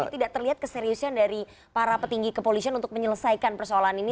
tapi tidak terlihat keseriusan dari para petinggi kepolisian untuk menyelesaikan persoalan ini